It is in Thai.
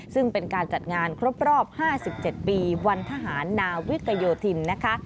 ซึ่งเป็นการจัดงานครบรอบ๕๗ปีวันทหารนาวิกยโยธินนะคะ